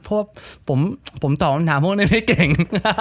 เพราะว่าผมตอบคำถามพวกนี้ไม่เก่ง